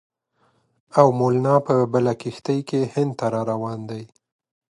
او مولنا په بله کښتۍ کې هند ته را روان دی.